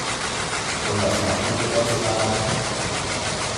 Und was machst du den ganzen Tag?